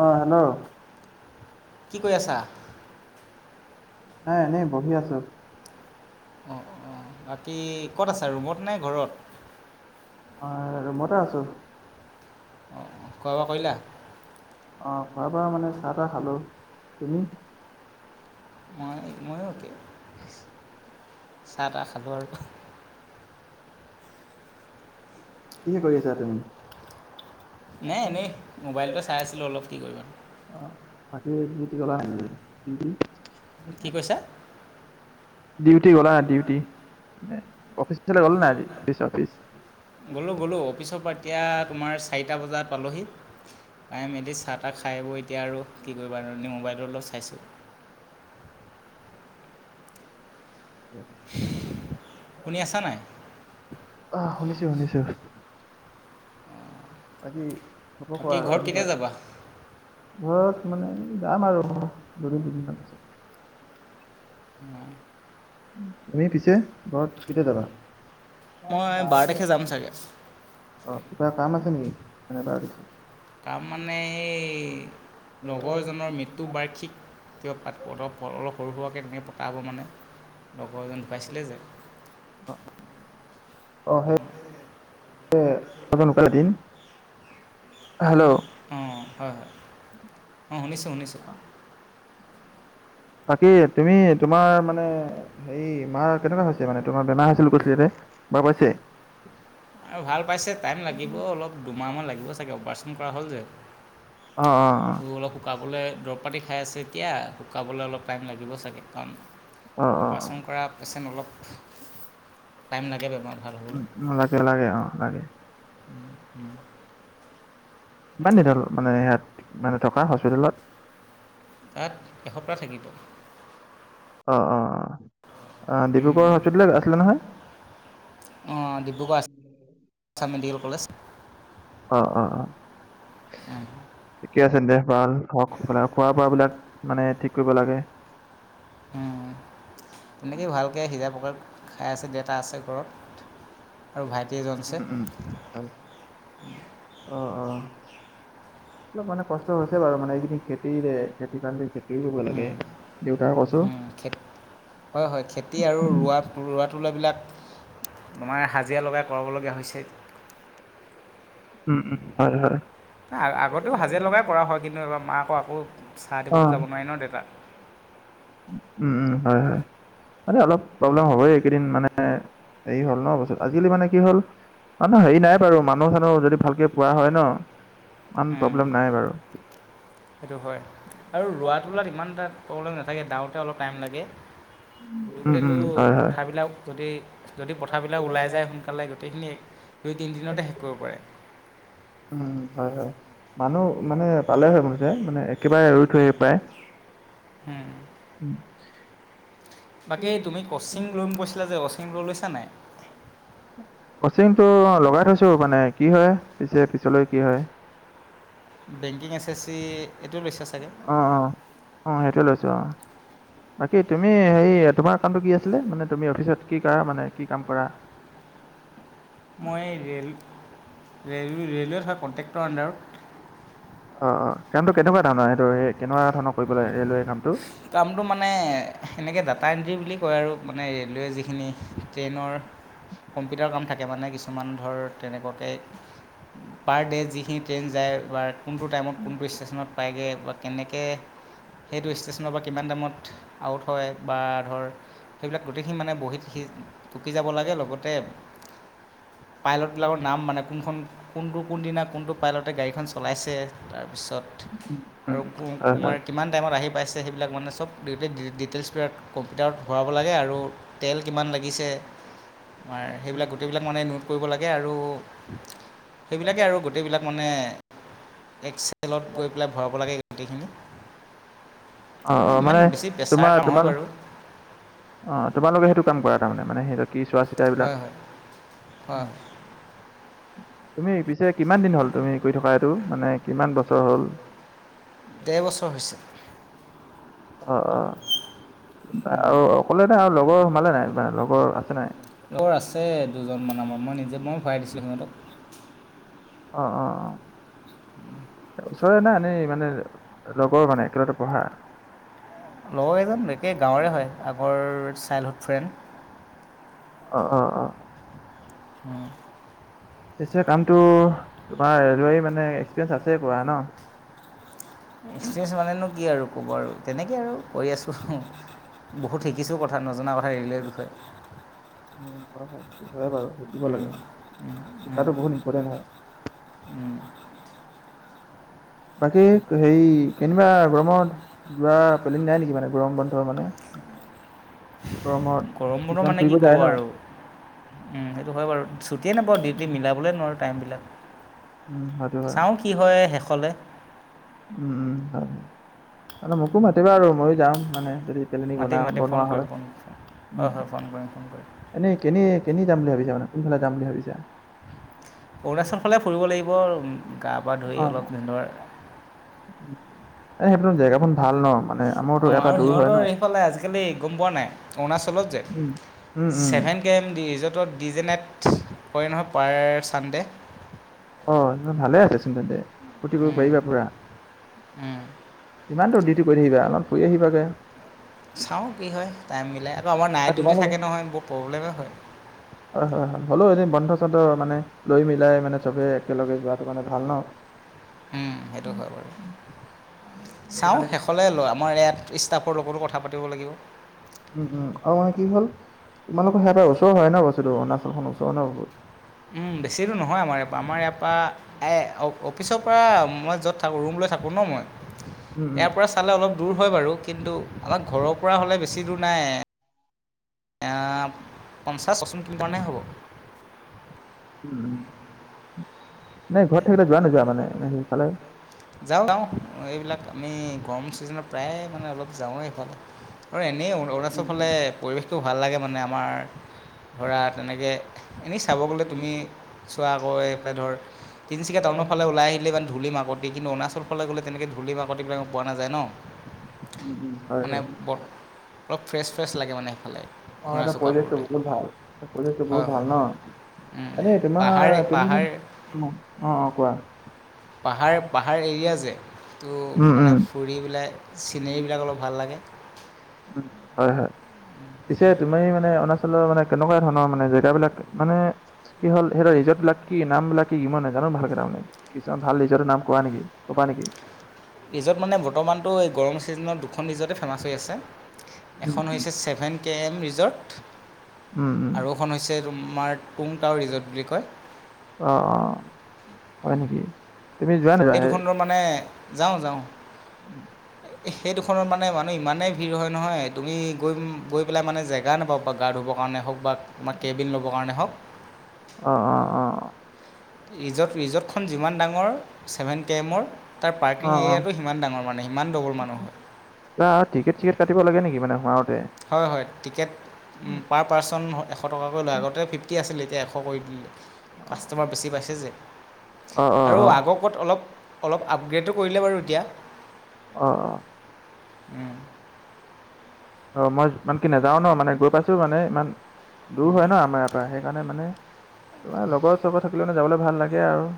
অ' hello. কি কৰি আছা নাই, এনেই বহি আছোঁ। অ-অ, বাকী ক'ত আছা? ৰুমত নে ঘৰত? মই ৰুমতেই আছোঁ। অহ। অ', খোৱা-বোৱা মানে চাহ-তাহ খালোঁ, তুমি? মই, ময়ো একে, চাহ-তাহ খালোঁ আৰু। কি কৰি আছা তুমি নাই এনেই, মোবাইলটো চাই আছিলোঁ অলপ, কি কৰিবা? অ', বাকি দিউটী গ'লা নাই আজি? দিউটী? কি কৈছা? ডিউটি গ'লা নাই? ডিউটি? মানে অফিচলে গ'লা নাই আজি? Office- office? গলোঁ গলোঁ, অফিচৰ পৰা এতিয়া তোমাৰ চাৰিটা বজাত পালোহি। পাই মেলি, চাহ-তাহ খাই বৈ, এতিয়া আৰু কি কৰিবা আৰু? এনেই মোবাইলটো অলপ চাইছোঁ। শুনি আছা নাই? অ', শুনিছোঁ শুনিছোঁ। বাকি খবৰ বাকী কোৱা, ঘৰত কেতিয়া কেনেকুৱা? যাবা ঘৰত মানে, যাম আৰু দুদিন-তিনিদিনৰ পিছত। [inaudible] তুমি পিছে, ঘৰত কেতিয়া যাবা? মই বাৰ তাৰিখে যাম চাগে। অ', কিবা কাম আছে নেকি? এনে [unintelligible] কাম মানে, এই লগৰজনৰ মৃত্যু বাৰ্ষিক [unintelligible] অলপ সৰু সুৰাকৈ তেনেকৈ পতা হ'ব মানে, লগৰজন ঢুকাইছিলে যে [unintelligible] অ', সেই [inaudible] হেল্ল' অ', হয় হয়, অ', শুনিছোঁ শুনিছোঁ। বাকী তুমি, তোমাৰ মানে হেৰি মাৰ কেনেকুৱা হৈছে? মানে তোমাৰ বেমাৰ হৈছিলে বূলি কৈছিলে দেউতাই, ভাল পাইছে? আৰু ভাল পাইছে, টাইম লাগিব অলপ, দুমাহমান লাগিব চাগে, অপাৰেচন কৰা হ'ল যে। অ', অ', তো অ'। অলপ শুকাবলৈ দৰৱ পাতি খাই আছে এতিয়া, শুকাবলৈ অলপ টাইম লাগিব চাগে, কাৰণ অ অ অ অপাৰেচন কৰা পেচেণ্ট অলপ, টাইম লাগে বেমাৰত ভাল হ'বলৈ উম, লাগে লাগে অ', লাগে। উম। কিমান দিন হ'ল? মানে ইয়াত মানে থকা, হস্পিতেলত? তাত এসপ্তাহ থাকিলো। অ', অ', অ', ডিব্ৰুগড়ৰ হস্পিটেলত আছিলে নহয়। অ', ডিব্ৰুগড়ত আছে আ [unintelligible] ছাম মেডিকেল কলেজ। অ', অ', অ'। ঠিকেই আছে দে, ভাল হওক, সোনকালে খোৱা বোৱাবিলাক মানে, ঠিক কৰিব লাগে। উম। তেনেকেই ভালকৈ সিজাই পকাই খাই আছে, দেউতা আছে ঘৰত। আৰু ভাইটি এজন আছে উম উম, ভাল, অ', অ'। অলপ মানে কষ্ট হৈছে বাৰু, মানে এইকেইদিন খেতি, খেতিৰ কাৰনে খেতিও ৰুব লাগে। দেউতাৰ কৈছোঁ। খে, হয় হয় খেতি আৰু ৰোৱা, উম ৰোৱা তোলা বিলাক তোমাৰ হাজিৰা লগাই, কৰাবলগীয়া হৈছে। উম, উম, হয়, হয়। আগতেও হাজিৰা লগাই কৰা হয়, কিন্তু এইবাৰ মাকো আকৌ চাহ অ দিবলৈও যাব নোৱাৰে ন দেউতাক। উম, উম, হয়, হয়, মানে অলপ প্ৰব্লেম হ'বই, এইকেইদিন মানে এ দেৰি হ'ল ন বস্তুতো, আজিকালি মানে কি হ'ল মানুহ হেৰি নাই বাৰু, মানুহ-চানুহ যদি ভালকে পোৱা হয় ন, ইমান প্ৰব্লেম নাই বাৰু। সেইটো হয়, আৰু ৰোৱা তোলাত ইমানতা প্ৰব্লেম নাথাকে, দাওঁতে অলপ টাইম লাগে, উম, গোতেটো উম, হয়, হয়, পথাৰ বিলাক যদি যদি পথাৰবিলাক ওলাই যায় সোনকালে, গোটেইখিনি দুই-তিনিদিনতে শেষ কৰিব পাৰে। উম, হয়, হয়। মানুহ মানে পালে হয়, অৱশ্য মানে একেবাৰে ৰুই থৈ আহিব পাৰে। [inaudible] বাকী তুমি কচিং লম কৈছিলা যে, কচিং লৈ লৈছা নাই। কছিংটো লগাই থৈছো মানে, কি হয় পিছে পিছলৈ কি হয়। Banking, S S C. এইটো [unintelligible] অ', অ', অ', সেইটো লৈছো অ'। বাকী তুমি, হেৰি তোমাৰ কামটো কি আছিলে? মানে তুমি অফিচত কি কৰা মানে কি কাম কৰা? মই ৰে'ল, ৰেল, ৰে'লৱেত হয়, কণ্ট্ৰেক্টৰ আণ্ডাৰত। অ', অ', কামটো কেনেকুৱা ধৰণৰ সেইটো? কেনেকুৱা ধৰণৰ কৰিব লাগে ৰেলৱে কামটো? কামটো মানে এেনেকৈ ডাটা এণ্ট্ৰি বুলি কয় আৰু, মানে ৰে'লৱে যিখিনি ট্ৰেইনৰ কম্পিউটাৰ কাম থাকে, মানে কিছুমান ধৰ তেনেকুৱাকে। পাৰ ডে' যিখিনি ট্ৰেইন যায় বা কোনটো টাইমত কোনটো ষ্টেশচনত পায়গৈ, বা কেনেকৈ সেইটো ষ্টেচন কিমান দামত আউট হয়, বা ধৰ সেইবিলাক গোটেইখিনি মানে বহীত সি টুকি যাব লাগে, লগতে পাইলট বিলাকৰ নাম মানে কোনখন কোনটো, কোনদিনা, কোনটো পাইলটে গাড়ীখন চলাইছে, তাৰপিছত উম, আৰু কু হয়, হয়। কুমাৰ। কিমান টাইমত আহি পাইছে, সেইবিলাক মানে চব ডিটেইলচ, বিলাক কম্পিউটাৰত ভৰাব লাগে আৰু তেল কিমান লাগিছে তোমাৰ সেইবিলাক, গোটেইবিলাক মানে নোট কৰিব লাগে, আৰু সেইবিলাকে আৰু গোটেইবিলাক মানে, এক্সচেলত গৈ পেলাই ভৰাব লাগে গোটেইখিনি। অ', এই অ', ইমান মানে বেছি প্ৰেছাৰ তোমাৰ কাম নহয় তোমাল বাৰু অ', তোমালোকে সেইটো কাম কৰা তাৰমানে মানে সেইটো। কি চোৱা-চিতা এইবিলাক। হয় হয় হয় হয় তুমি পিছে কিমান দিন হ'ল, তুমি কৰি থকা এইটো মানে কিমান বছৰ হ'ল? ডেৰ বছৰ হৈছে। অ', অ', আৰু অকলে নে আৰু লগৰ সোমালে নাই নে লগৰ আছে নে নাই। লগৰ আছে দুজনমান, আমাৰ মই নিজে মই ভৰাই দিছিলোঁ সিহঁতক। অ', অ', অ'। ওচৰৰে না এনেই মানে লগৰ মানে, একেলগতে পঢ়া লগৰ কেইজন একে গাঁৱৰে হয়, আগৰ চাইল্ডহুড ফ্ৰেণ্ড। অ', অ', অ'। [inaudible] পিছে কামটো তোমাৰ ৰেলৱে মানে, এক্সপিৰিয়েঞ্চ আছে কৰা ন। এক্সপিৰিয়েঞ্চ মানেনো কি আৰু ক'ব আৰু, তেনেকে আৰু কৰি আছো। বহুত শিকিছো, কথা নজনা কথা ৰেলৰ বিষয়ে। উম উ উ উ কৰা হয়, হয় বাৰু শিকিব লাগে শিকাতো বহুত ইম্পৰ্টেণ্ট হয়। হু হু হু হু হু উম উম বাকী তুই হেৰি ই ই ই ই। কেনিবা গৰমত যোৱা প্লেনিং নাই নেকি মানে গৰম বন্ধ মানে সি ই ই গৰমত ই ই গৰম বন্ধ কিছুমান মানে ফুৰিব কি ক'ব যায় ন আৰু সি ই ই আহ আহ হু হু হু হু উম সেইটো হয় বাৰু ছুটিয়ে নেপাওঁ ডিউটি মিলাব ক'লে নোৱাৰোঁ টাইমবিলাক উম হয়টো হয় চাওঁ কি হয় শেষলে। উম উম উ উ হয় হয়। তালে মোকো মাতিবা আৰু মইয়ো যাম মানে যদি প্লেনিং বনা মাতিম মাতিম ফোন বনোৱা কৰিম হয় ফোন কৰিম উ। হয় হয় ফোন কৰিম ফোন কৰিম। এনেই কেনে কেনে যাম বুলি ভাবিছা মানে কোনফালে যাম বুলি ভাবিছা? অৰুণাচল ফালে ফুৰিব লাগিব ৰ উম গা-পা ধুই অলপ নিৰ উম এ সেইবিলাক জেগাখন ভাল ন। মানে আমাৰতো অ ইয়াৰ পৰা আৰু দূৰ হয় ন সিহঁতৰ এইফালে আজিকালি গম পোৱা নাই অৰুণাচলত যে উম উম উম ছেভেন কে এম ৰিজৰ্টত ডিজে নাইট কৰে নহয় পাৰ চানডে'। অ অ অ, তেনে ভালে আছেচোন তেন্তে ফূৰ্তি কৰিব পাৰিবা পুৰা। হু হু হু হু উম উ হু হু হু উহ উহ। ইমান দূৰ ডিউটি কৰি থাকিবা অকমান ফুৰি আহিবাগে। চাওঁ কি হয় টাইম মিলাই আকৌ আমাৰ নাইট আৰু ডিউটি তোমালোক থাকে নহয় বহু প্ৰব্লেমেই হয়। [inaudible] হয় হয় হয়, হ'লেও এদিন বন্ধ-চন্ধ মানে লৈ মিলাই মানে চবে একেলগে যোৱাটো মানে ভাল ন। হ। উম উ উ, সেইটো হয় বাৰু মানে তুমি চাওঁ মানে শেষলৈ লওঁ আমাৰ ইয়াত ষ্টাফৰ লগতো কথা পাতিব লাগিব। উম উম, আৰু মানে কি হ'ল তোমালোকৰ সেয়াৰ পৰা ওচৰ হয় ন বস্তুটো নাচলখনৰ ওচৰ ন বহুত। উম উ উ, বেছি দূৰ নহয় আমাৰ ইয়াৰ পৰা আমাৰ ইয়াৰ পৰা এ এ অ অফিচৰ পৰা মই য'ত তাকো ৰুম লৈ থাকোঁ ন মই উম উম ইয়াৰ পৰা চালে অলপ দূৰ হয় বাৰু কিন্তু আমাক ঘৰৰ পৰা হ'লে বেছি দূৰ নাই এ এ এ। এ আ আ আ, পঞ্চাছ পচপন কিলোমিটাৰণে হ'ব। উম উ উ, উমহ, নাই ঘৰত থাকিলে যোৱা নোযোৱা মানে সেইফালে। যাওঁ যাওঁ এইবিলাক আমি গৰম ছিজনত প্ৰায়ে মানে অলপ যাওঁৱেই এইফালে। আৰু এনেই অৰু উম অৰুণাচল ফালে পৰিৱেশটো ভাল লাগে মানে আমাৰ ছিট ছিট। ধৰা তেনেকৈ এহ্ এনেই চাব গ'লে তুমি চোৱা আকৌ এইফালে ধৰ তিনিচুকীয়া টাউনৰফাল ওলাই আহিলে ইমান ধূলি মাকুম গে কিন্তু অৰুণাচল ফাললৈ গ'লে তেনেকে ধূলি-বাকতিবিলাক পোৱা নাযায় ন কু উম উম উম আপ হয় মানে হয় বত অলপ ফ্ৰেছ-ফ্ৰেছ লাগে মানে সেইফালে। অ ঘূৰা তাৰ চুকা পৰিৱেশটো কৰোঁতে বহুত ভাল। তাত পৰিৱেশটো হয় বহুত ভাল ন। হয় এনে পাহাৰ তোমাৰ তুমি পাহাৰ শুন অ অ কোৱা। পাহাৰ পাহাৰ এৰিয়া যে তো উম উম মানে হ হ। ফুৰি পেলাই চিনেৰিবিলাক অলপ ভাল লাগে। উম হয় হয়, পিছে তুমি মানে অনা ধৰিলোৱা মানে কেনেকুৱা ধৰণৰ মানে জেগা বিলাক মানে কি হল সেই ডখোৰৰ ৰিজৰ্টবিলাক কি নাম বিলাক কি মই নেজানো ভালকে তাৰ মানে। কিছুমান ভাল ৰিজৰ্টওৰ নাম কোৱা নেকি কবা নেকি? ৰিজৰ্ট মানে বৰ্তমানটো এই গৰম ছিজনত দুখন ৰিজৰ্টে ফেমাচ হৈ আছে উম এখন উম হৈছে ছেভেন কে এম ৰিজৰ্ট উম উম আৰু এখন হৈছে তোমাৰ টুং টাও ৰিজৰ্ট বুলি কয় অ অ হয় নেকি তুমি যোৱা নোযোৱা এই সেই দুখনৰ মানে যাওঁ যাওঁ সেই দুখনত মানে মানুহ ইমানেই ভিৰ হয় নহয় তুমি গৈ গৈ পেলাই মানে জেগা নাপাব বা গা ধুবৰ কাৰণে হওক বা তোমাৰ কেবিন ল'ব কাৰণে হওক অ অ অ ৰিজৰ্ট ৰিজৰ্টখন যিমান ডাঙৰ ছেভেন কে এমৰ তাৰ অ পাৰ্কিং অ এৰিয়াটো সিমান ডাঙৰ মানে সিমান ডবল মানুহ হয় কিবা আৱ টিকেট চিকেট কাটিব লাগে নেকি মানে সোমাওতে হয় হয় টিকেট উম পাৰ পাৰ্চন এশ টকাকৈ লৈ আগতে ফিফটি আছিলে এতিয়া এশ কৰি দিলে অ কাষ্টটমাৰ বেছি পাইছে যে অ অ আৰু আগক'ত অলপ অলপ আপগ্ৰেটো কৰিলে বাৰু এতিয়া অ অ উম অ মই ইমানকে নাযাও ন মানে গৈ পাইছো মানে ইমান দূৰ হয় ন আমাৰ ইয়াৰ পৰা সেইকাৰণে মানে তোমাৰ লগৰ চগৰ থাকিলে মানে যাবলে ভাল লাগে আৰু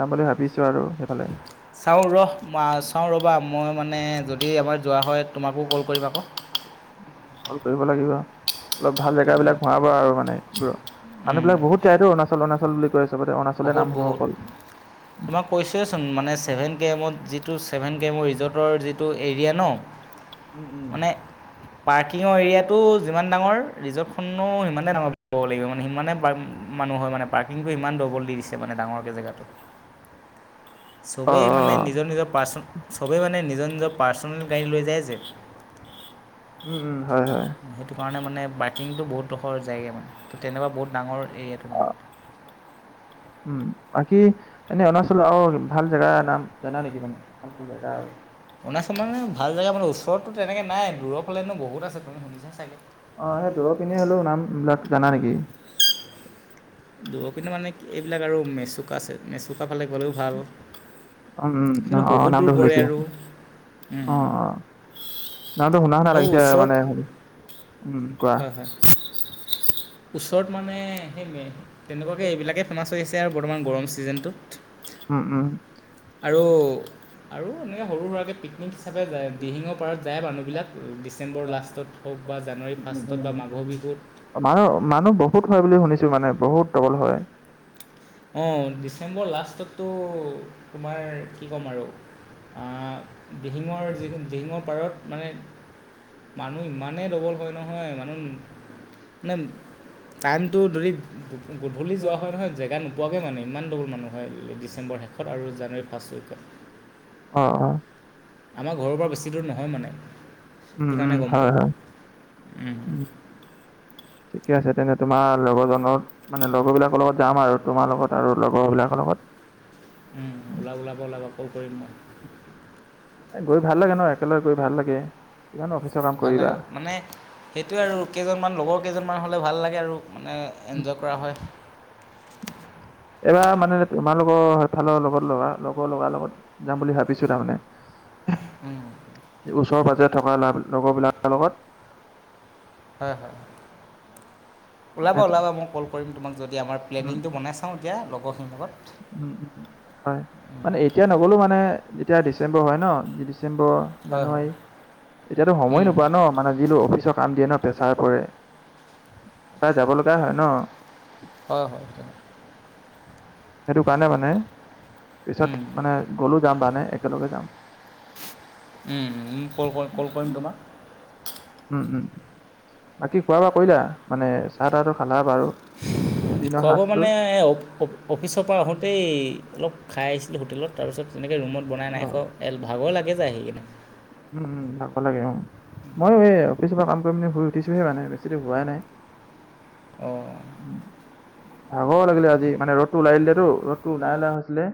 যাম বুলি ভাবিছো আৰু সেইফালে [unintelligible] চাওঁ ৰহ মা চাওঁ ৰ'বা মই মানে যদি আমাৰ যোৱা হয় তোমাকো কল কৰিম আক কল কৰিব লাগিব অলপ ভাল জেগা বিলাক ঘূৰাবা আৰু মানে এইবোৰ মানুহবিলাক বহুত যায়টো অৰুণাচল অৰুণাচল বুলি কয় চবতে অৰুণাচলে বহুত নাম শুনো বহুত অকল তোমাক কৈছোৱেচোন মানে চেভেন কে এমত যিটো চেভেন কে এমৰ ৰিজৰ্টৰ যিটো এৰিয়া ন উম উম। মানে পাৰ্কিঙৰ এৰিয়াটো যিমান ডাঙৰ ৰিজৰ্টখনো সিমানে ডাঙৰ বুলি কব লাগিব মানে সিমানে মানুহ হয় মানে পাৰ্কিংটো সিমান ডবল দি দিছে মানে ডাঙৰকে জেগাটো অ', চবেই মানে অ', নিজৰ নিজৰ পাৰ্চ চবেই মানে নিজৰ নিজৰ পাৰ্চনেল গাড়ী লৈ যায় যে উম উম হয় হয় সেইটো কাৰণে মানে পাৰ্কিংটো বহুত ডোখৰ যায়গে মানে তেনেকুৱা বহুত ডাঙৰ এৰিয়াটো মানে উম বাকী এনে অৰুণাচল আৰু ভাল জেগাৰ নাম জানা নেকি তুমি মানে ভাল জেগা আৰু অৰুণাচল মানে ভাল জেগা মানে ওচৰতো তেনেকে নাই দূৰ ফালে বহুত আছে তুমি শুনিছা চাগে অ সেই দূৰৰ পিনে হ'লো নাম বিলাক জানা নেকি দূৰৰ পিনে মানে এইবিলাক আৰু মেচুক আছে মেচুকা ফালে গ'লেও ভাল উম উম অ কিন্তু অ বহুত নামটো দূৰ পৰে শুনিছো আৰু অ অ নামটো শুনা শুনা আৰু লাগিছে ওচৰত মানে উম কোৱা হয় হয় ওচৰত মানে সেই তেনেকুৱাকে এইবিলাকেই ফেমাচ হৈ আছে আৰু বৰ্তমান গৰম ছিজনটোত উম উম আৰু আৰু এনেকৈ সৰু সুৰাকে পিকনিক হিচাপে যায় দিহিঙৰ পাৰত যায় মানুহবিলাক ডিচেম্বৰ লাষ্টত হওক বা জানুৱাৰী ফাৰ্ষ্টত বা মাঘৰ বিহুত মানুহ মানুহ বহুত হয় বুলি শুনিছো মানে বহুত ডবল হয় অ ডিচেম্বৰ লাষ্টত [unintelligible] তোমাৰ কি ক'ম আৰু আ দিহিঙৰ দিহিঙৰ পাৰত মানে। মানুহ ইমানেই ডবল হয় নহয় মানুহ। মানে টাইমটো ধৰি গধূলি যোৱা হয় নহয় জেগা। পোৱাকৈ মানে ইমান ডবল মানুহ হয় ডিচেম্বৰ শেষত আৰু জানুৱাৰী ফাৰ্ষ্ট উইকত। অ অ, আমাৰ ঘৰৰ পৰা বেছি দূৰ নহয় মানে। উম উম হয় হয়। উম। ঠিকে আছে তেন্ত তোমাৰ লগৰজনৰ। মানে লগৰবিলাকৰ লগত যাম আৰু তোমাৰ লগত আৰু লগৰবিলাকৰ লগত। ওলাব, ওলাব, ওলাব, কল কৰিম মই। গৈ ভাল লাগে ন একেলগে গৈ ভাল লাগে, কিমান অফিচৰ কাম ভাল কৰিবা। লাগে মানে সেইটোৱে আৰু কেইজনমান লগৰ কেইজনমান হ'লে ভাল লাগে আৰু মানে এনজয় কৰা হয়। এবাৰ মানে তোমালোকৰ সেইফালৰ লগত লগা লগৰ লৰা লগত যাম বুলি ভাবিছো তাৰমানে। ওচৰ পাজৰে থকা লগৰবিলাকৰ লগত। হয় হয়, মানে ওলাব ওলাবা মই কল কৰিম তোমাক যদি আমাৰ উম, প্লেনিংটো বনাই চাওঁ। এয়া লগৰ খিনি লগত। উম, উম, হয়। মানে এতিয়া নগ'লো মানে যেতিয়া ডিচেম্বৰ হয় ন! ডিচেম্বৰ, হয় জানুৱাৰী। হয় এতিয়াতো সময় উম, নোপোৱা ন! মানে যিলো অফিচত। কাম দিয়ে ন! প্ৰেছাৰ পৰে, সদায় যাব লগা হয় ন! হয়, হয়, হয়। সেইটো কাৰণে মানে, পিছত উম, মানে গ'লো যাম মানে একেলগে যাম। উম, উ কল কৰিম, কল কৰিম, তোমাক। উম, উম, বাকী খোৱা বোৱা কৰিলা? মানে চাহ-তাহটো খালা বাৰু। দিনৰ খোৱা-বোৱা সাঁজটো মানে অপ, অপ। অফিচৰ পৰা আহোঁতেই অলপ খাই আহিছিলোঁ হোটেলত। তাৰপিছত তেনেকৈ ৰুমত বনাই নাই অ', খোৱা, এল ভাগৰ লাগে যায় সেই কিনে। উম, উম ভাগ লাগে উম। ময়ো এই অফিচৰ পৰা কাম কৰিম পিনি শুই উঠিছোহে মানে বেছি দেৰি হোৱাই নাই। অ, ভাগৰ লাগিলে আজি, মানে ৰ'দ টো ওলাই দিলেটো ৰ'দতটো ওলাই লওলাই হৈছিলে।